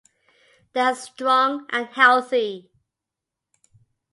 They are strong and healthy.